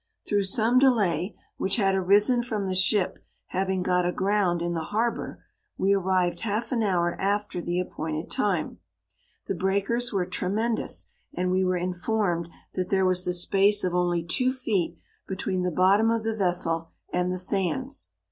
Through some delay, which had arisen from the ship having got a ground in the harbour, we arrived half an hour after the appointed time. The break ers were tremendous, and we were in formed that there was the space of only two feet between the bottom of the vessel and the sands.